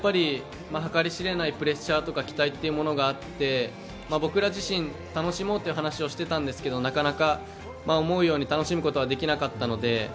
計り知れないプレッシャーとか期待というものがあって僕ら自身、楽しもうという話をしてたんですけどなかなか、思うように楽しむことはできなかったので。